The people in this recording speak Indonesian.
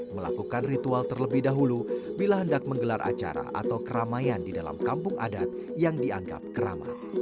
melakukan ritual terlebih dahulu bila hendak menggelar acara atau keramaian di dalam kampung adat yang dianggap kerama